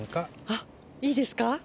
あいいですか。